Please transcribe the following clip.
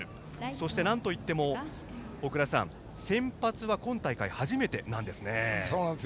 そして、なんといっても小倉さん、先発は今大会初めてなんですね。